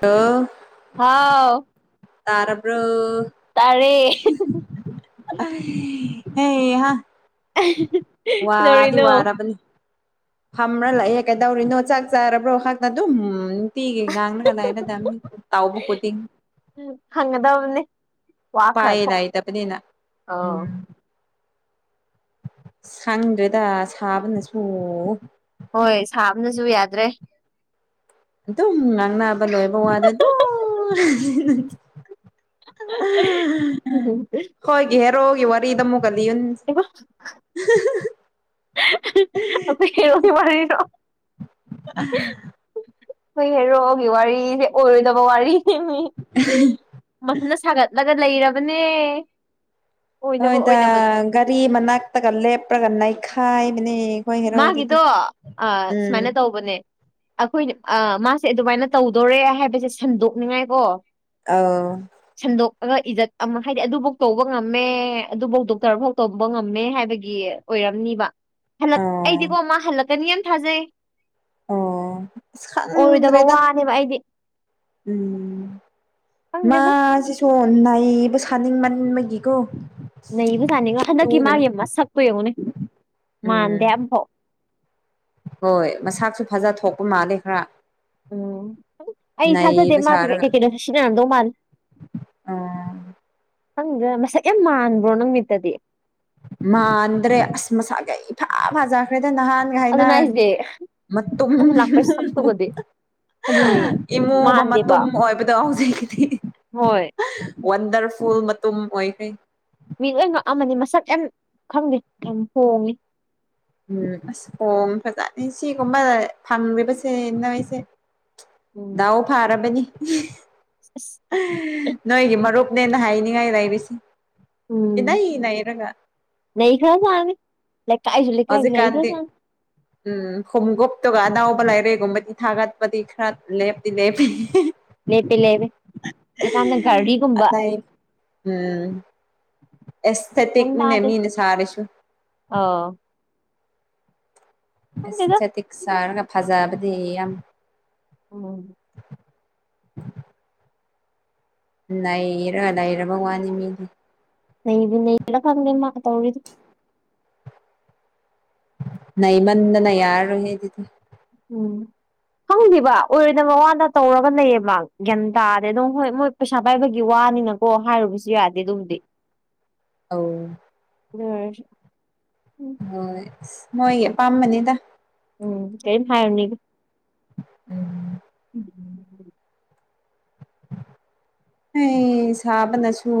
hello ꯍꯥꯎ ꯇꯥꯔꯕ꯭ꯔꯣ ꯇꯥꯔꯦ ꯍꯩ ꯍꯥ ꯋꯥꯗꯤ ꯀꯩꯗꯧꯔꯤꯅꯣ ꯋꯥꯔꯕꯅꯤ ꯐꯝꯔꯂꯩꯑꯦ ꯀꯩꯗꯧꯔꯤꯅꯣ ꯆꯥꯛ ꯆꯥꯔꯕ꯭ꯔꯣꯍꯥꯛꯇ ꯑꯗꯨꯝ [unintelligible] ꯉꯥꯡꯂ ꯂꯩꯒꯗꯧꯕꯅꯤ ꯇꯧꯕ ꯈꯨꯗꯤꯡꯒꯤ ꯇꯧꯅꯤ ꯎꯄꯥꯏꯗꯤ ꯂꯩꯇꯕꯅꯤꯅ ꯑꯥ ꯁꯪꯗ꯭ꯔꯦꯗ ꯁꯥꯕꯅꯁꯨ ꯍꯣꯏ ꯁꯥꯕꯅꯁꯨ ꯌꯥꯗ꯭ꯔꯦ ꯑꯗꯨꯝ ꯉꯥꯡꯅꯕ ꯂꯣꯏꯕ ꯋꯥꯗ ꯑꯗꯨ ꯈꯣꯏꯒꯤ ꯍꯦꯔꯣꯒꯤ ꯋꯥꯔꯤꯗꯃꯨꯛ [unintelligible] ꯑꯈꯣꯏ ꯍꯦꯔꯣꯒꯤ ꯋꯥꯔꯤꯗꯣ [inaudible] ꯈꯣꯏꯍꯦꯔꯣꯒꯤ ꯋꯥꯔꯤꯁꯦ ꯑꯣꯏꯔꯣꯏꯗꯕ ꯋꯥꯔꯤ ꯃꯊꯟꯇ ꯁꯥꯒꯠꯂꯒ ꯂꯩꯔꯕꯅꯦ ꯑꯣꯏꯗꯕ ꯍꯣꯏꯗ ꯑꯣꯏꯗꯕꯗ ꯒꯥꯔꯤ ꯃꯅꯥꯛꯇꯒ ꯂꯦꯞꯄ꯭ꯔꯒ ꯅꯩꯈꯥꯏꯕꯅꯦ ꯑꯩꯈꯣꯏ ꯍꯦꯔꯣꯗꯨꯗꯤ ꯃꯥꯒꯤꯗꯣ ꯑꯥ ꯎꯝ ꯁꯨꯃꯥꯏꯅ ꯇꯧꯕꯅꯦ ꯑꯩꯈꯣꯏꯅ ꯑꯥ ꯃꯥꯁꯦ ꯑꯗꯨꯃꯥꯏꯅ ꯇꯧꯗꯣꯔꯦ ꯍꯥꯏꯕꯁꯦ ꯁꯟꯗꯣꯛꯅꯤꯡꯉꯥꯏꯀꯣ ꯑꯧ ꯑꯣꯏ ꯏꯖꯠ ꯑꯃ ꯍꯥꯏꯗꯤ ꯑꯗꯨꯐꯧ ꯇꯧꯕ ꯉꯝꯃꯦ ꯑꯗꯨꯐꯧ ꯗꯣꯛꯇꯔꯐꯥꯎ ꯇꯧꯕ ꯉꯝꯃꯦ ꯍꯥꯏꯕꯒꯤ ꯑꯣꯏ ꯑꯣꯔꯝꯅꯤꯕ ꯍꯜꯂꯛ ꯑꯣ ꯑꯩꯗꯤꯀꯣ ꯃꯥ ꯍꯜꯂꯛꯀꯅꯤ ꯌꯥꯝ ꯊꯥꯖꯩ ꯑꯣ ꯑꯁ ꯑꯣꯏꯔꯣꯏꯗꯕ ꯈꯪꯗ꯭ꯔꯦꯗ ꯋꯥꯅꯦꯕ ꯑꯩꯗꯤ ꯎꯝ ꯈꯪꯗꯦꯗ ꯃꯥꯁꯤꯁꯣ ꯅꯩꯕ ꯁꯥꯅꯤꯡ ꯃꯟ ꯕꯒꯤꯀꯣ ꯅꯩꯕ ꯁꯥꯅꯤꯡꯅ ꯍꯟꯗꯛꯀꯤ ꯃꯥꯒꯤ ꯃꯁꯛꯄ ꯌꯦꯡꯉꯨꯅꯦ ꯃꯥꯟꯗꯦ ꯎꯝ ꯑꯃꯐꯥꯎ ꯍꯣꯏ ꯃꯁꯥꯛꯁꯨ ꯐꯖ ꯊꯣꯛꯄ ꯃꯥꯂꯦ ꯈꯔ ꯎꯝ ꯑꯩ ꯊꯖꯗꯦ ꯅꯩꯕ ꯃꯥ ꯁꯥꯔꯒ ꯀꯩꯀꯩꯅꯣ ꯁꯤꯖꯤꯟꯅꯔꯝꯗꯧꯕ ꯃꯜꯂꯤ ꯑꯣ ꯈꯪꯗꯦ ꯃꯁꯛ ꯌꯥꯝ ꯃꯥꯟꯕ꯭ꯔꯣ ꯅꯪ ꯃꯤꯠꯇꯗꯤ ꯃꯥꯗ꯭ꯟꯔꯦ ꯑꯁ ꯃꯁꯥꯒ ꯏ ꯐꯥ ꯐꯖꯥ꯭ꯔꯦ ꯑꯗꯨꯅ ꯑꯩꯁꯦ ꯑꯗꯨ ꯂꯥꯛꯄꯩ ꯁꯛꯇꯨꯒꯗꯤ ꯑꯗꯨꯅꯦ [unintelligible] ꯏꯃꯣꯕ ꯃꯥꯟꯗꯦꯕ ꯃꯇꯨꯝ ꯑꯣꯏꯕꯗꯣ ꯍꯧꯖꯀꯤꯗꯤ ꯍꯣꯏ ꯋꯥꯟꯗꯔꯐꯨꯜ ꯃꯇꯨꯝ ꯑꯣꯏꯈꯔꯦ ꯃꯤ ꯂꯣꯏ ꯉꯛꯑꯝꯂꯅꯤ ꯃꯁꯛ ꯌꯥꯝ ꯈꯪꯗꯦ ꯌꯥꯝ ꯍꯣꯡꯉꯦ ꯎꯝ ꯑꯁ [unintelligible] ꯁꯤꯒꯨꯝꯕ ꯊꯕꯁꯦ ꯅꯣꯏꯁꯦ ꯎꯝ ꯗꯥꯎ ꯐꯥꯔꯕꯅꯤ ꯑꯁ ꯅꯣꯏꯒꯤ ꯃꯔꯨꯞ ꯅꯦꯅ ꯍꯥꯏꯅꯤꯉꯥꯏ ꯂꯩꯔꯤꯁꯦ ꯎꯝ ꯏꯅꯩ ꯅꯩꯔꯒ ꯅꯩꯈ꯭ꯔꯖꯥꯠꯅꯤ ꯂꯩꯀꯥꯏꯁꯨ ꯂꯩ ꯀꯥꯏ ꯅꯩ ꯈ꯭ꯔ ꯍꯧꯖꯤꯛꯀꯥꯟꯗꯤ ꯖꯥꯠꯅꯤ ꯎꯝ ꯈꯣꯡꯉꯨꯞꯇꯨꯒ ꯑꯅꯥꯎꯕ ꯂꯥꯏꯔꯦꯒꯨꯝꯕꯗꯤ ꯊꯥꯒꯠꯄꯗꯤ ꯈꯔ ꯂꯦꯞꯇꯤ ꯂꯦꯞꯄꯤ ꯂꯦꯞꯄꯦ ꯂꯦꯞꯄꯦ ꯍꯧꯖꯤꯛꯀꯥꯟꯅ ꯒꯥꯔꯤꯒꯨꯝꯕ ꯑꯇꯩ ꯒ꯭ꯌꯥꯟ ꯑꯦꯁꯊꯦꯇꯤꯛꯅꯦ ꯇꯥꯗꯦ ꯃꯤꯅꯦ ꯁꯔꯦꯁꯨ ꯑꯥꯎ ꯈꯪꯗꯦꯗ ꯑꯦꯁꯊꯦꯇꯤꯛ ꯁꯥꯔꯒ ꯐꯖꯕꯗꯤ ꯌꯥꯝ ꯎꯝ ꯅꯩꯔ ꯅꯩꯔꯕ ꯋꯥꯅꯤ ꯃꯤꯗꯤ ꯅꯩꯕꯨ ꯅꯩꯕ꯭ꯔ ꯈꯪꯗꯦ ꯃꯥꯇꯧꯔꯤꯗꯣ ꯅꯩꯃꯟꯗꯅ ꯌꯥꯔꯔꯣꯏ ꯍꯦ ꯗꯨꯗꯤ ꯎꯝ ꯈꯪꯗꯦꯕ ꯑꯣꯏꯔꯣꯏꯗꯕ ꯋꯥꯗ ꯇꯧꯔꯒ ꯂꯩꯌꯦꯕ ꯒ꯭ꯌꯥꯟ ꯇꯗꯦ ꯑꯗꯣ ꯍꯣꯏ ꯃꯣꯏ ꯄꯩꯁꯥ ꯄꯥꯏꯕꯒꯤ ꯋꯥ ꯅꯤꯅꯀꯣ ꯍꯥꯏꯔꯨꯕꯁꯨ ꯌꯥꯗꯦ ꯑꯗꯨꯕꯨꯗꯤ ꯑꯧ [unintelligible] ꯍꯣꯏ ꯑꯁ ꯃꯣꯏꯒꯤ ꯑꯄꯥꯝꯕꯅꯤꯗ ꯀꯔꯤꯝ ꯍꯥꯏꯔꯨꯅꯤꯒ ꯎꯝ ꯎꯝ ꯍꯩ ꯁꯥꯕꯅꯁꯨ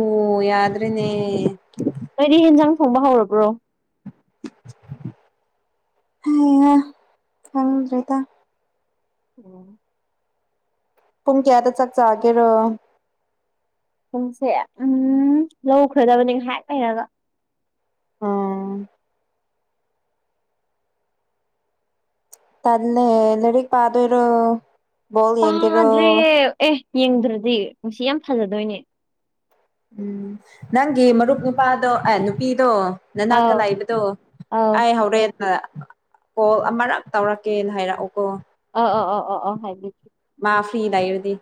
ꯌꯥꯗ꯭ꯔꯦꯅꯦ ꯀꯔꯤ ꯏꯟꯖꯥꯡ ꯊꯣꯡꯕ ꯍꯧꯔꯕ꯭ꯔꯣ ꯍꯩ ꯍ ꯈꯡꯗ꯭ꯔꯦꯗ ꯎꯝ ꯄꯨꯡ ꯀꯌꯥꯗ ꯆꯛ ꯆꯥꯒꯦꯔꯣ ꯄꯨꯡꯁꯦ ꯎꯝ ꯂꯧꯈ꯭ꯔꯗꯕꯅꯤ ꯉꯥꯏꯍꯥꯛ ꯂꯩꯔꯒ ꯑꯣ ꯇꯦꯜꯂꯦ ꯂꯩꯔꯤꯛ ꯄꯥꯗꯣꯏꯔꯣ ꯕꯣꯜ ꯌꯦꯡꯒꯦꯔꯣ ꯄꯥꯗ꯭ꯔꯦ ꯑꯦ ꯌꯦꯡꯗ꯭ꯔꯗꯤ ꯉꯁꯤ ꯌꯥꯝ ꯐꯖꯗꯣꯏꯅꯦ ꯎꯝ ꯅꯪꯒꯤ ꯃꯔꯨꯞ ꯅꯨꯄꯥꯗꯣ ꯑꯦ ꯅꯨꯄꯤꯗꯣ ꯅꯅꯥꯛꯇ ꯑꯥꯎ ꯂꯩꯕꯗꯣ ꯑꯥꯎ ꯑꯩ ꯍꯧꯔꯦꯟ ꯀꯣꯜ ꯑꯃꯔꯛ ꯇꯧꯔꯛꯀꯦꯅ ꯍꯥꯏꯔꯛꯎꯀꯣ ꯑ ꯑ ꯑ ꯑꯣ ꯍꯥꯏꯕꯤ ꯁꯨꯇꯤ ꯂꯩꯔꯗꯤ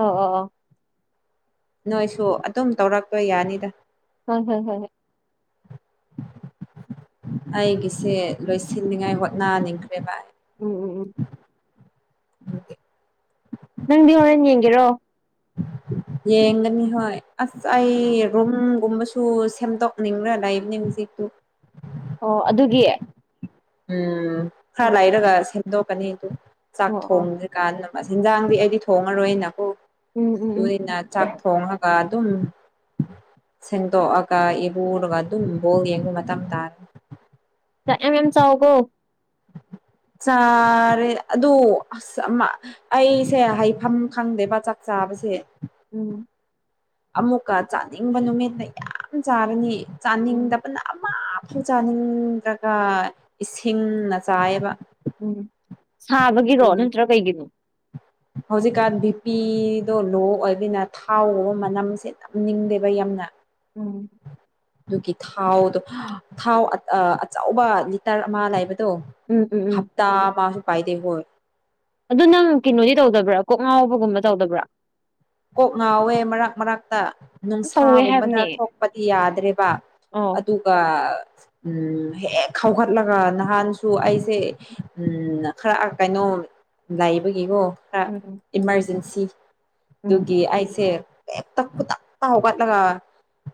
ꯑꯣ ꯑꯣ ꯑꯣ ꯅꯣꯏꯁꯨ ꯑꯗꯨꯝ ꯇꯧꯔꯛꯄ ꯌꯥꯅꯤꯗ ꯍꯣꯏ ꯍꯣꯏ ꯍꯣꯏ ꯑꯩꯒꯤꯁꯦ ꯂꯣꯏꯁꯤꯟꯅꯤꯉꯥꯏ ꯍꯣꯠꯅꯅꯤꯡ ꯕꯦꯚꯥꯔ ꯎꯝ ꯎꯝ ꯎꯝ ꯅꯪꯗꯤ ꯍꯣꯔꯦꯟ ꯌꯦꯡꯒꯦꯔꯣ ꯌꯦꯡꯒꯅꯤ ꯍꯣꯏ ꯑꯁ ꯑꯩ ꯔꯨꯝ ꯒꯨꯝꯕꯁꯨ ꯁꯦꯝꯗꯣꯛꯅꯤꯡꯕ꯭ꯔꯥ ꯂꯩꯕꯅꯦ ꯍꯧꯖꯤꯛꯇꯨ ꯑꯣ ꯑꯗꯨꯒꯤ ꯎꯝ ꯈꯔ ꯑꯣ ꯂꯩꯥꯏꯔꯒ ꯁꯦꯝꯗꯣꯛꯀꯅꯤ ꯑꯗꯨ ꯆꯥꯛ ꯑꯣ ꯑꯣ ꯊꯣꯡꯗ꯭ꯔꯤ ꯀꯥꯟ ꯏꯟꯖꯥꯡꯗꯤ ꯑꯩꯗꯤ ꯊꯣꯡꯉꯔꯣꯏꯅꯀꯣ ꯎꯝ ꯎꯝ ꯎꯝ ꯑꯗꯨꯅꯤꯅ ꯆꯥꯛ ꯊꯣꯡꯉꯒ ꯗꯨꯝ ꯁꯦꯡꯗꯣꯛꯑꯒ ꯏꯔꯨꯔꯒ ꯑꯗꯨꯝ ꯕꯣꯜ ꯌꯦꯡꯕꯩ ꯃꯇꯝ ꯇꯥꯔꯦ ꯆꯛ ꯌꯝ ꯌꯝ ꯆꯥꯎꯀꯣ ꯆꯥꯔꯦ ꯑꯗꯨ ꯑꯁ ꯑꯃ ꯑꯩꯁꯦ ꯍꯥꯏꯐꯝ ꯈꯪꯗꯦꯕ ꯆꯥꯛ ꯆ ꯁꯥꯕꯁꯦ ꯎꯝ ꯑꯃꯨꯛꯀ ꯆꯥꯅꯤꯡꯕ ꯅꯨꯃꯤꯠꯅ ꯌꯥꯝ ꯆꯥꯔꯅꯤ ꯎꯝ ꯆꯥꯅꯤꯡꯗꯕꯅ ꯑꯃ ꯀꯩꯁꯨ ꯆꯥꯅꯤꯡꯗ꯭ꯔꯒ ꯏꯁꯤꯡꯅ ꯆꯥꯏꯌꯦꯕ ꯎꯝ ꯁꯥꯕꯒꯤꯔꯣ ꯑꯗꯨꯅꯤ ꯅꯠꯇ꯭ꯔ ꯀꯩꯒꯤꯅꯣ ꯍꯧꯖꯤꯛꯀꯥꯟ ꯕꯤ ꯄꯤꯗꯣ ꯂꯣ ꯑꯣꯏꯕꯅꯤꯅ ꯊꯥꯎ ꯃꯅꯝꯁꯦ ꯅꯝ ꯅꯤꯡꯗꯦꯕ ꯌꯥꯝꯅ ꯎꯝ ꯑꯗꯨꯒꯤ ꯊꯥꯎꯗꯣ ꯊꯥꯎ ꯑꯆꯧꯕ ꯂꯤꯇꯔ ꯑꯃ ꯂꯩꯕ ꯎꯝ ꯎꯝ ꯎꯝ ꯍꯞꯇꯥ ꯑꯃꯃꯨꯛ ꯄꯥꯏꯗꯦ ꯍꯣꯏ ꯑꯗꯨ ꯅꯪ ꯀꯩꯅꯣꯗꯤ ꯇꯧꯗꯕ꯭ꯔꯥ ꯀꯣꯛ ꯉꯥꯎꯕꯒꯨꯝꯕ ꯇꯧꯗꯕ꯭ꯔꯥ ꯀꯣꯛ ꯉꯥꯎꯋꯦ ꯃꯔꯛ ꯃꯔꯛꯇ ꯌꯥꯝ ꯇꯧꯋꯦ ꯅꯨꯡꯁꯥꯒꯨꯝꯕꯅ ꯍꯥꯏꯕꯅꯦ ꯊꯣꯛꯄꯗꯤ ꯌꯥꯗ꯭ꯔꯦꯕ ꯑꯧ ꯑꯗꯨꯒ ꯎꯝ ꯍꯦꯛ ꯍꯧꯒꯠꯂꯒ ꯅꯍꯥꯟꯁꯨ ꯑꯩꯁꯦ ꯈꯔ ꯀꯩꯅꯣ ꯂꯥꯏꯕꯒꯤꯀꯣ ꯈꯔ ꯎꯝ ꯏꯃꯥꯔꯖꯦꯟꯁꯤ ꯎꯝ ꯑꯗꯨꯒꯤ ꯑꯩꯁꯦ ꯍꯦꯛꯇ ꯈꯨꯗꯛꯇ ꯍꯧꯒꯠꯂꯒ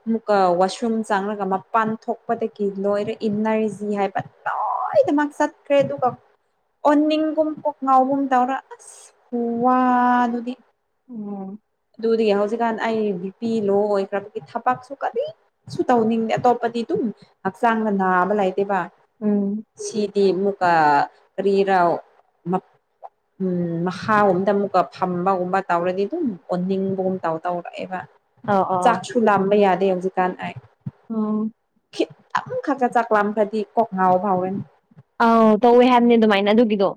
ꯑꯃꯨꯛꯀ ꯋꯥꯁꯔꯨꯝ ꯆꯪꯉꯒ ꯃꯄꯥꯟ ꯊꯣꯛꯄꯗꯒꯤ ꯂꯣꯏꯔ ꯏꯅꯔꯖꯤ ꯍꯥꯏꯕ ꯂꯣꯏ ꯂꯣꯅꯃꯛ ꯆꯠꯈ꯭ꯔꯦ ꯑꯗꯨꯒ ꯑꯣꯅꯤꯡꯒꯨꯝ ꯄꯨꯛ ꯉꯥꯎꯒꯨꯝ ꯇꯧꯔ ꯑꯁ ꯋꯥꯗꯨꯗꯤ ꯎꯝ ꯑꯗꯨꯗꯒꯤ ꯍꯧꯖꯤꯛꯀꯥꯟ ꯑꯩ ꯕꯤꯄꯤ ꯂꯣ ꯑꯣꯏꯈ꯭ꯔꯕꯒꯤ ꯊꯕꯛꯁꯨ ꯀꯔꯤꯁꯨ ꯇꯧꯅꯤꯡꯗꯦ ꯑꯇꯣꯞꯄꯗꯤ ꯑꯗꯨꯝ ꯍꯛꯆꯥꯡꯅ ꯅꯥꯕ ꯂꯩꯇꯦꯕ ꯎꯝ ꯇꯤ ꯑꯃꯨꯀ ꯀꯔꯤꯔꯣ ꯎꯝ ꯃꯈꯥꯒꯨꯝꯗ ꯑꯃꯨꯛꯀ ꯐꯝꯕꯒꯨꯝꯕ ꯇꯧꯔꯗꯤ ꯑꯗꯨꯝ ꯑꯣꯟꯅꯤꯡꯕꯒꯨꯝ ꯇꯧ ꯇꯧꯔꯛꯑꯦꯕ ꯑꯧ ꯆꯥꯛꯁꯨ ꯂꯥꯝꯕ ꯌꯥꯗꯦ ꯍꯧꯖꯤꯛꯀꯥꯟ ꯑꯩ ꯑꯣ ꯈꯤꯇꯪ ꯈꯛꯀꯥ ꯆꯥꯛꯂꯥꯝꯃꯗꯤ ꯀꯣꯛ ꯉꯥꯎꯕ ꯍꯧꯋꯦ ꯑꯥꯎ ꯇꯧꯋꯦ ꯍꯥꯏꯕꯅꯦ ꯑꯗꯨꯃꯥꯏꯅ ꯑꯗꯨꯒꯤꯗꯣ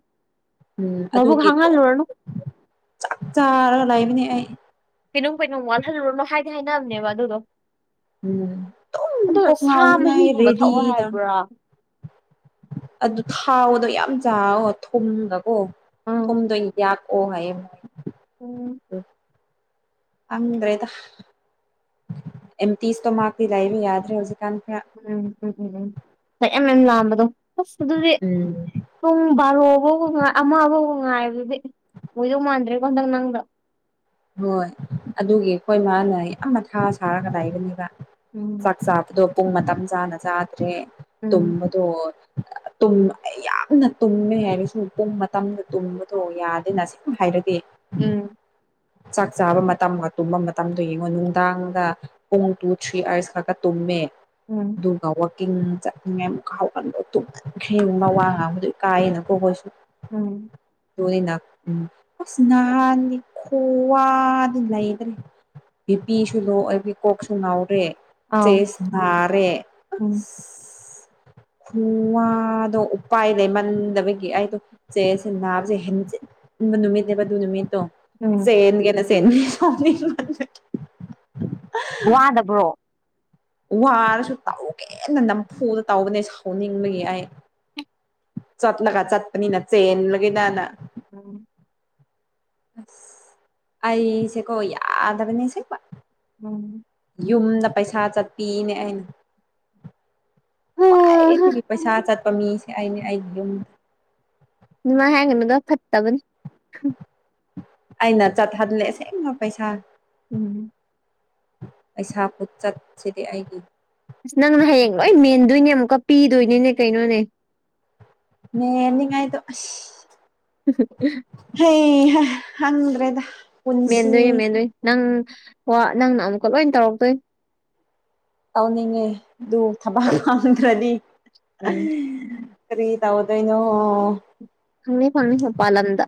ꯎꯝ ꯃꯕꯨꯛ ꯑꯗꯨꯒꯤ ꯇꯣꯛ ꯍꯥꯡꯍꯜꯂꯨꯔꯅꯨ ꯆꯥꯛ ꯆꯥꯔꯒ ꯂꯩꯕꯅꯦ ꯑꯩ ꯀꯩꯩꯅꯣꯝ ꯀꯩꯅꯣꯝ ꯋꯥꯠꯍꯜꯂꯨꯔꯅꯣ ꯍꯥꯏꯗꯤ ꯍꯥꯏꯅꯝꯅꯦꯕ ꯑꯗꯨꯗꯣ ꯎꯝ ꯑꯗꯣ ꯀꯣꯛ ꯁꯥ ꯉꯥꯎꯅꯤꯡꯉꯥꯏ ꯃꯍꯤꯒꯨꯝꯕ ꯊꯛꯑꯣ ꯔꯦꯗꯤꯗ ꯍꯥꯏꯕ꯭ꯔꯥ ꯑꯗꯨ ꯊꯥꯎꯗꯣ ꯌꯥꯝ ꯆꯥꯋꯣ ꯊꯨꯝꯒꯀꯣ ꯎꯝ ꯊꯨꯝꯗꯣ ꯌꯥꯛ ꯑꯣ ꯍꯥꯏꯌꯦ ꯎꯝ ꯈꯪꯗ꯭ꯔꯦꯗ ꯑꯦꯝꯇꯤ ꯏꯁꯇꯣꯃꯥꯛꯇꯤ ꯂꯩꯕ ꯌꯥꯗ꯭ꯔꯦ ꯍꯧꯖꯤꯛ [unintelligible] ꯃꯌꯥꯝ ꯃꯌꯥꯝ ꯂꯥꯝꯕꯗꯣ ꯑꯁ ꯑꯗꯨꯗꯤ ꯎꯝ ꯄꯨꯡ ꯕꯥꯔꯣꯐꯧ ꯑꯃꯐꯧ ꯉꯥꯏꯕꯗꯨꯗꯤ ꯑꯣꯏꯗꯧ ꯃꯥꯟꯗ꯭ꯔꯦꯕꯣ ꯍꯟꯗꯛ ꯅꯪꯗꯣ ꯍꯣꯏ ꯑꯗꯨꯒꯤ ꯑꯈꯣꯏ ꯃꯥꯅ ꯌꯥꯝ ꯃꯊꯥ ꯁꯥꯔꯒꯗ ꯂꯩꯕꯅꯦꯕ ꯎꯝ ꯆꯥꯛ ꯆꯥꯕꯗꯣ ꯄꯨꯡ ꯃꯇꯝ ꯆꯥꯅ ꯆꯥꯗ꯭ꯔꯦ ꯎꯝ ꯇꯨꯝꯕꯗꯣ ꯌꯥꯝꯅ ꯇꯨꯝꯃꯦ ꯍꯥꯏꯔ ꯁꯨꯝ ꯄꯨꯡ ꯃꯇꯝꯗ ꯇꯨꯝꯕꯗꯣ ꯌꯥꯗꯦꯅ ꯁꯨꯝ ꯍꯥꯏꯔꯗꯤ ꯎꯝ ꯆꯥꯛ ꯆꯥꯕ ꯃꯇꯝꯒ ꯇꯨꯝꯕ ꯃꯇꯝꯗꯣ ꯌꯦꯡꯉꯣ ꯅꯨꯡꯗꯥꯡꯗ ꯄꯨꯡ ꯇꯨ ꯊ꯭ꯔꯤ ꯑꯥꯔꯁ ꯈꯛꯇ ꯇꯨꯝꯃꯦ ꯎꯝ ꯗꯨ [unintelligible] ꯀꯤꯡ ꯆꯠꯅꯤꯡꯉꯥꯏ ꯑꯃꯨꯛꯀ ꯍꯧꯒꯠꯕ ꯇꯨꯝꯃꯟꯈ꯭ꯔꯦꯅ ꯋꯥ ꯉꯥꯡꯕꯗꯨ ꯏꯀꯥꯏꯌꯦꯅꯀꯣ ꯈꯣꯏꯁꯨ ꯎꯝ ꯇꯣꯏꯅꯥ ꯑꯁ ꯅꯥꯍꯥꯟꯗꯤ ꯈꯨꯋꯥꯗꯤ ꯂꯩꯗ꯭ꯔꯦ ꯕꯤꯄꯤꯁꯨ ꯂꯣ ꯑꯣꯢꯕꯩ ꯀꯣꯛꯁꯨ ꯉꯥꯎꯔꯦ ꯑꯥꯎ ꯆꯦꯁ ꯅꯥꯔꯦ ꯎꯝ ꯈꯨꯋꯥꯗꯣ ꯎꯄꯥꯏ ꯂꯩꯃꯟꯗꯕꯒꯤ ꯑꯩꯗꯣ ꯆꯦꯁ ꯁꯦ ꯅꯥꯕꯁꯦ ꯍꯦꯟ ꯅꯨꯃꯤꯠꯅꯦꯕ ꯑꯗꯨ ꯅꯨꯃꯤꯠꯇꯣ ꯎꯝ ꯆꯦꯟꯑꯦꯅ ꯆꯦꯟꯕꯅꯤ ꯁꯥꯎꯅꯤꯡꯕꯒꯤ ꯋꯥꯗꯕ꯭ꯔꯣ ꯋꯥꯔꯁꯨ ꯇꯧꯒꯦꯅ ꯅꯝꯐꯨꯗ ꯇꯧꯕꯅꯦ ꯁꯥꯎꯅꯤꯡꯕꯒꯤ ꯑꯩ ꯆꯠꯂꯒ ꯆꯠꯄꯅꯤꯅ ꯆꯦꯟꯂꯒꯦꯗꯅ ꯎꯝ ꯑꯁ ꯑꯩꯁꯦꯀꯣ ꯌꯥꯗꯕꯅꯦ ꯑꯁꯦꯡꯕ ꯎꯝ ꯌꯨꯝꯗ ꯄꯩꯁꯥ ꯆꯠꯄꯤꯅꯦ ꯑꯩ ꯍꯥ ꯈ꯭ꯋꯥꯏꯗꯒꯤ ꯄꯩꯁꯥ ꯆꯠꯄ ꯃꯤꯁꯦ ꯑꯩꯅꯦ ꯑꯩꯒꯤ ꯌꯨꯝꯗ ꯑꯗꯨꯃꯥꯏ ꯍꯥꯏꯒꯅꯨꯗ ꯐꯠꯇꯕꯅꯤ ꯑꯩꯅ ꯆꯠꯍꯜꯂꯦ ꯑꯁꯦꯡꯕ ꯄꯩꯁꯥ ꯎꯝ ꯄꯩꯁꯥ ꯈꯨꯆꯠꯁꯤꯗꯤ ꯑꯩꯒꯤ ꯑꯁ ꯅꯪꯅ ꯍꯌꯦꯡ ꯂꯣꯏ ꯃꯦꯟꯗꯣꯏꯅꯦ ꯑꯃꯨꯛꯀ ꯄꯤꯗꯣꯏꯅꯤꯅꯦ ꯀꯩꯅꯣꯅꯦ ꯃꯦꯟꯅꯤꯉꯥꯏꯗꯣ ꯑꯁ ꯍꯩꯍꯥ ꯈꯪꯗ꯭ꯔꯦꯗ ꯃꯦꯟꯗꯣꯏꯅꯦ ꯄꯨꯟꯁꯤꯁꯦ ꯃꯦꯟꯗꯣꯏꯅꯦ ꯅꯪ ꯋꯥ ꯅꯪꯅ ꯑꯃꯨꯛꯀ ꯂꯣꯏ ꯇꯧꯔꯛꯇꯣꯏ ꯇꯧꯅꯤꯡꯉꯦ ꯑꯗꯨ ꯊꯕꯛ ꯐꯪꯗ꯭ꯔꯗꯤ ꯎꯝ [unintelligible] ꯀ꯭ꯔꯤ ꯇꯧꯗꯨꯏꯅꯣ ꯐꯪꯅꯤ ꯐꯪꯅꯤ ꯃꯄꯥꯜꯂꯝꯗ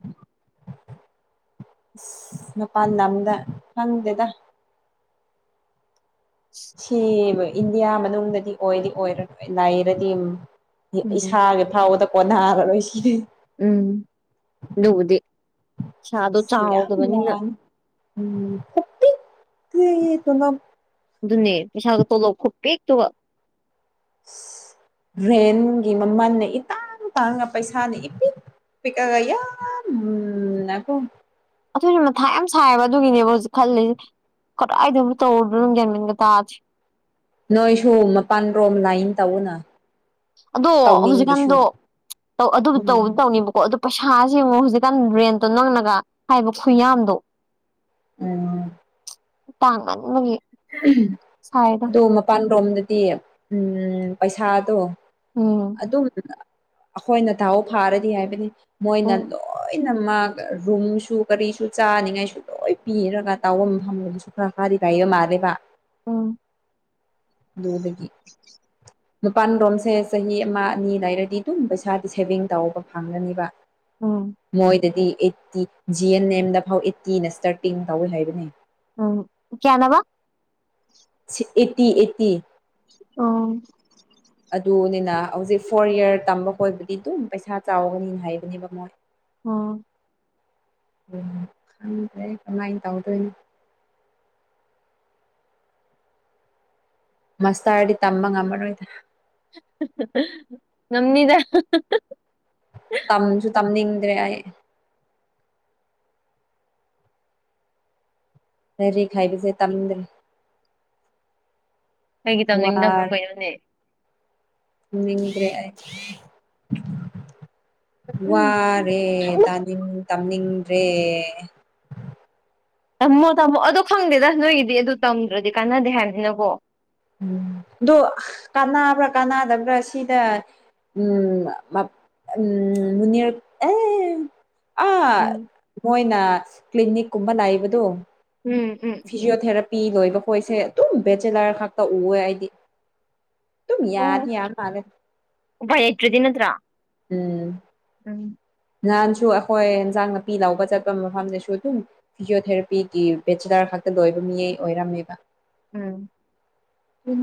ꯏꯁ ꯃꯄꯥꯟ ꯂꯝꯗ ꯈꯪꯗꯦꯗ ꯁꯤ ꯏꯟꯗꯤꯌꯥ ꯃꯅꯨꯡꯗꯗꯤ ꯑꯣꯏꯗꯤ ꯑꯣꯏꯔꯣꯏ ꯂꯥꯏꯔꯗꯤ ꯎꯝ ꯏꯁꯥꯒꯤ ꯐꯥꯎꯕꯗ ꯀꯣꯟꯅꯥꯔꯔꯣꯏ ꯁꯤꯗꯗꯤ ꯎꯝ ꯑꯗꯨꯕꯨꯗꯤ ꯄꯩꯁꯥꯗꯣ ꯌꯥꯝ ꯆꯥꯎꯗꯕꯅꯤꯅ ꯋꯥꯅꯤ ꯎꯝ ꯈꯨꯄꯤꯛꯇꯤ ꯇꯣꯂꯣꯞ ꯑꯗꯨꯅꯦ ꯄꯩꯁꯥꯒ ꯇꯣꯂꯣꯞ ꯈꯨꯄꯤꯛ ꯇꯨꯒ ꯏꯁ ꯔꯦꯟꯒꯤ ꯃꯃꯜꯅ ꯏꯇꯥꯡ ꯇꯥꯉꯒ ꯄꯩꯁꯥꯅ ꯏꯄꯤꯛ ꯄꯤꯛꯑꯒ ꯌꯥꯝꯅꯀꯣ ꯑꯗꯨꯁꯨ ꯃꯊꯥ ꯌꯥꯝ ꯁꯥꯏꯌꯦꯕ ꯑꯗꯨꯒꯤꯅꯦꯕ ꯍꯧꯖꯤꯛ ꯈꯜꯂꯤꯁꯦ ꯀꯗꯥꯥꯏꯗꯕꯨ ꯇꯧꯔꯨꯗꯨꯏꯅꯣ ꯒ꯭ꯌꯥꯟ ꯃꯦꯟꯒ ꯇꯥꯗꯦ ꯅꯣꯏꯁꯨ ꯃꯄꯥꯜ ꯔꯣꯝ ꯂꯥꯏꯟ ꯇꯧꯅ ꯑꯗꯣ ꯇꯧꯅꯤꯡꯗ꯭ꯔꯁꯨ ꯍꯧꯖꯤꯛꯀꯥꯟꯗꯣ ꯑꯗꯨꯕꯨ ꯎꯝ ꯇꯧꯕꯗꯤ ꯇꯧꯅꯦꯕꯀꯣ ꯑꯗꯨ ꯄꯩꯁꯥ ꯌꯦꯡꯉꯣ ꯍꯧꯖꯤꯛꯀꯥꯟ ꯔꯦꯟꯇꯣ ꯅꯪꯅꯒ ꯍꯥꯏꯕ ꯈꯨꯌꯥꯝꯗꯣ ꯎꯝ ꯇꯥꯡꯃꯟꯕꯒꯤ ꯎꯝ ꯁꯥꯏꯗ ꯑꯗꯨ ꯃꯄꯥꯜ ꯔꯣꯝꯗꯗꯤ ꯎꯝ ꯄꯩꯁꯥꯗꯣ ꯎꯝ ꯑꯗꯨꯝ ꯑꯩꯈꯣꯏꯅ ꯗꯥꯥꯎ ꯐꯥꯔꯗꯤ ꯍꯥꯏꯕꯅꯤ ꯃꯣꯏꯅ ꯎꯝ ꯂꯣꯏ ꯂꯣꯏꯅꯃꯛ ꯔꯨꯝꯁꯨ ꯀꯔꯤꯁꯨ ꯆꯥꯅꯤꯡꯉꯥꯏꯁꯨ ꯂꯣꯏ ꯄꯤꯔꯒ ꯇꯥꯎꯕ ꯃꯐꯝ ꯃꯐꯝꯁꯨ ꯈꯔ ꯍꯥꯏꯔꯤ ꯂꯩꯕ ꯃꯥꯜꯂꯦꯕ ꯎꯝ ꯑꯗꯨꯗꯒꯤ ꯃꯄꯥꯜ ꯔꯣꯝꯁꯦ ꯆꯍꯤ ꯑꯃ ꯑꯅꯤ ꯂꯩꯔꯗꯤ ꯑꯗꯨꯝ ꯄꯩꯁꯥꯗꯤ ꯁꯦꯚꯤꯡ ꯇꯧꯕ ꯐꯪꯒꯅꯦꯕ ꯎꯝ ꯃꯣꯏꯗꯗꯤ ꯑꯩꯠꯇꯤ ꯖꯤ ꯑꯦꯟ ꯑꯦꯝꯗ ꯐꯥꯎ ꯑꯦꯠꯇꯤꯅ ꯏꯁꯇꯥꯔꯇꯤꯡ ꯇꯧꯋꯦ ꯍꯥꯏꯕꯅꯦ ꯎꯝ ꯀꯌꯥꯅꯦꯕ ꯁꯤꯠ ꯑꯦꯠꯇꯤ ꯑꯦꯠꯇꯤ ꯑꯣ ꯗ ꯍꯧꯖꯤꯛ ꯐꯣꯔ ꯌꯤꯌꯥꯔ ꯇꯝꯕ ꯀꯣꯏꯕꯨꯗꯤ ꯑꯗꯨꯝ ꯄꯩꯁꯥ ꯆꯥꯎꯒꯅꯤ ꯍꯥꯏꯕꯅꯦꯕ ꯃꯣꯏ ꯑꯣ ꯎꯝ ꯈꯪꯗ꯭ꯔꯦ ꯀꯃꯥꯏꯅ ꯇꯧꯗꯣꯏꯅꯣ ꯃꯁꯇ꯭ꯔꯗꯤ ꯇꯝꯕ ꯉꯝꯃꯔꯣꯏꯗ ꯍꯥ ꯍꯥ ꯍꯥ ꯉꯝꯅꯤꯗ [unintelligible] ꯇꯝꯁꯨ [unintelligible] ꯂꯩꯔꯤꯛ ꯍꯥꯏꯕꯁꯦ ꯇꯝꯅꯤꯡꯗ꯭ꯔꯦ ꯀꯩꯒꯤ ꯇꯝꯅꯤꯡꯗꯕ꯭ꯔꯣ ꯀꯩꯅꯣꯅꯦ ꯉꯝꯅꯤꯡꯗ꯭ꯔꯦ ꯑꯩ ꯎꯝ ꯋꯥꯔꯦ ꯇꯥꯅꯤꯡ ꯇꯝꯅꯤꯡꯗ꯭ꯔꯦ ꯇꯝꯃꯣ ꯇꯝꯃꯣ ꯑꯗꯨ ꯈꯪꯗꯦꯗ ꯅꯣꯏꯒꯤꯗꯤ ꯑꯗꯨ ꯇꯝꯗ꯭ꯔꯗꯤ ꯀꯥꯅꯗꯦ ꯍꯥꯏꯕꯅꯤꯅꯀꯣ ꯎꯝ ꯑꯗꯣ ꯀꯥꯟꯕ꯭ꯔꯥ ꯀꯥꯅꯗꯕ꯭ꯔꯥ ꯁꯤꯗ ꯎꯝ [unintelligible] ꯃꯨꯅ꯭ꯌꯔ ꯑꯦ ꯑꯥ ꯎꯝ ꯃꯣꯏꯅ ꯀ꯭ꯂꯤꯅꯤꯛꯀꯨꯝꯕ ꯂꯥꯏꯕꯗꯣ ꯎꯝ ꯎꯝ ꯎꯝ ꯐꯤꯖꯤꯑꯣꯊꯦꯔꯥꯄꯤ ꯂꯣꯏꯕ ꯈꯣꯏꯁꯦ ꯑꯗꯨꯝ ꯕꯦꯆꯦꯂꯔ ꯈꯛꯇ ꯎꯋꯦ ꯑꯩꯗꯤ ꯇꯨꯝ ꯌꯥꯗꯤ ꯌꯥ ꯃꯂꯦ ꯎꯕꯥꯏ ꯂꯩꯇ꯭ꯔꯗꯤꯅꯠꯇ꯭ꯔꯥ ꯎꯝ ꯎꯝ ꯅꯍꯥꯟꯁꯨ ꯑꯈꯣꯏ ꯑꯦꯟꯖꯥꯡ ꯅꯥꯄꯤ ꯂꯥꯎꯧꯕ ꯆꯠꯄ ꯃꯐꯝꯗꯁꯨ ꯑꯗꯨꯝ ꯐꯤꯁꯣꯊꯦꯔꯥꯄꯤꯒꯤ ꯕꯦꯆꯤꯂꯔ ꯈꯛꯇ ꯂꯣꯏꯕ ꯃꯤ ꯑꯣꯏꯔꯝꯃꯤꯕ ꯎꯝ ꯎꯝ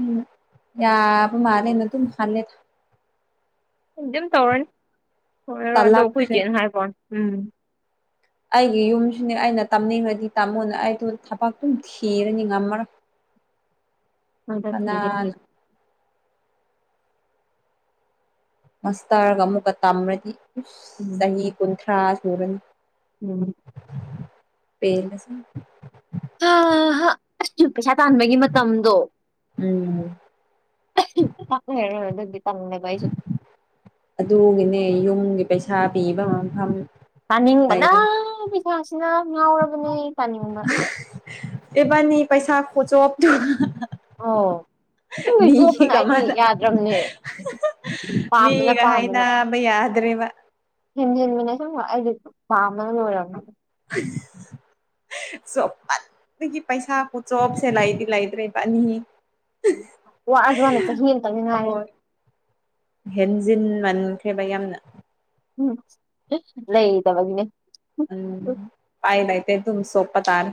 ꯌꯥꯕ ꯃꯥꯂꯦꯅ ꯑꯗꯨ ꯈꯜꯂꯦꯗ ꯑꯗꯨꯝ ꯇꯧꯔꯅꯤ ꯑꯣꯏꯔꯔꯣꯏ ꯑꯗꯣ ꯇꯜꯂꯛꯈ꯭ꯔꯦ ꯈꯣꯏꯆꯦꯅ ꯍꯥꯏꯕꯋꯅꯦ ꯎꯝ ꯑꯩꯒꯤ ꯌꯨꯝꯁꯨꯅꯦ ꯑꯩꯅ ꯇꯝꯅꯤꯡꯔꯗꯤ ꯇꯝꯃꯣꯅ ꯑꯩꯗꯣ ꯊꯕꯛ ꯊꯤꯔꯅꯤ ꯉꯝꯃꯔꯣꯏ [inaudible] ꯍꯟꯗꯛ ꯊꯤꯒꯦꯇꯦ ꯀꯅꯥꯅ ꯃꯁꯇꯔꯒ ꯑꯃꯨꯛꯀ ꯇꯝꯔꯗꯤ ꯎꯝ ꯏꯁ ꯆꯍꯤ ꯀꯨꯟꯊ꯭ꯔꯥ ꯁꯨꯔꯅꯤ ꯎꯝ ꯄꯦ [unintelligible] ꯑ ꯍꯥ [unintelligible] ꯄꯩꯁꯥ ꯇꯥꯟꯕꯒꯤ ꯃꯇꯝꯗꯣ ꯎꯝ ꯑꯍꯥ ꯄꯥꯛꯂꯩꯂꯔꯣꯏ [unintelligible] ꯑꯗꯨꯒꯤꯅꯦ ꯌꯨꯝꯒꯤ ꯄꯩꯁꯥ ꯄꯤꯕ ꯃꯐꯝ ꯄꯥꯅꯤꯡꯕꯅꯥ ꯂꯩꯔ ꯄꯩꯁꯥꯁꯤꯅ ꯉꯥꯎꯔꯕꯅꯦ ꯄꯅꯤꯡꯕ ꯏꯕꯥꯅꯤ ꯄꯩꯁꯥ ꯈꯣꯆꯣꯞꯇꯣ ꯑꯣ ꯑꯁꯦꯡꯕ ꯆꯣꯞꯄꯅ ꯑꯩꯗꯤ ꯀꯃꯥꯏꯅ ꯌꯥꯗ꯭ꯔꯕꯅꯦ ꯄꯥꯝꯕꯅ ꯃꯤꯒ ꯄꯥꯝꯕꯅ ꯍꯥꯏꯅꯕ ꯌꯥꯗ꯭ꯔꯦꯕ ꯍꯦꯟꯖꯤꯟꯕꯅꯦ ꯁꯨꯝ ꯑꯩꯗꯤ ꯄꯥꯝꯕꯅ ꯂꯣꯏꯔꯕꯅꯦ ꯍꯥꯏ [unintelligible] ꯆꯣꯞꯄꯟꯕꯒꯤ ꯄꯩꯁꯥ ꯈꯨꯆꯣꯞꯁꯦ ꯂꯩꯗꯤ ꯂꯩꯇ꯭ꯔꯦ ꯏꯕꯥꯅꯤ ꯋꯥꯔꯁꯨ ꯋꯥꯅ ꯆꯍꯤ ꯑꯃꯇꯪꯅꯤ [unintelligible] ꯉꯥꯏꯔꯦ ꯑꯍꯣꯏ ꯍꯦꯟꯖꯤꯟ ꯃꯟꯈ꯭ꯔꯦꯕ ꯌꯥꯝꯅ ꯎꯝ ꯂꯩ ꯇꯕꯒꯤꯅꯦ ꯎꯝ ꯄꯥꯏ ꯂꯩꯥꯇꯦ ꯑꯗꯨꯝ ꯆꯣꯞꯄ ꯇꯥꯔꯦ